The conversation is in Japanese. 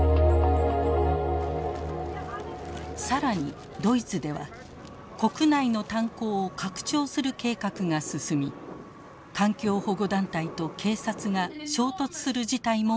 更にドイツでは国内の炭鉱を拡張する計画が進み環境保護団体と警察が衝突する事態も起きています。